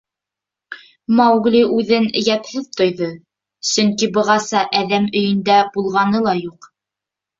Маугли үҙен йәпһеҙ тойҙо, сөнки бығаса әҙәм өйөндә булғаны ла юҡ.